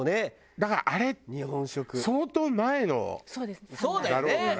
だからあれ相当前のだろうから。